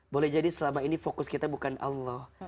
boleh jadi selama ini fokus kita bukan allah